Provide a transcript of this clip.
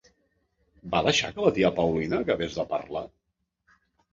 Va deixar que la tia Paulina acabés de parlar?